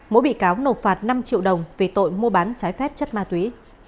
mỗi bị cáo nộp phạt năm triệu đồng về tội mua bán trái phép chất ma túy